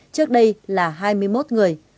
trước đây là hai mươi một người